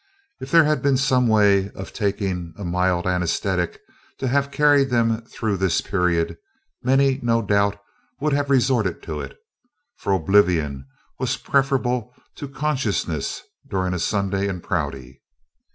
If there had been some way of taking a mild anesthetic to have carried them through this period, many no doubt would have resorted to it, for oblivion was preferable to consciousness during a Sunday in Prouty.